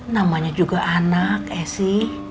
namanya juga anak esi